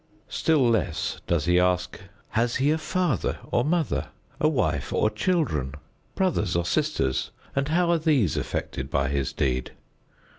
Still less does he ask: "Has he a father or mother, a wife or children, brothers or sisters, and how are these affected by his deed?"